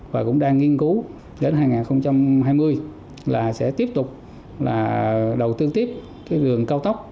và cũng đang nghiên cứu đến hai nghìn hai mươi là sẽ tiếp tục là đầu tư tiếp cái đường cao tốc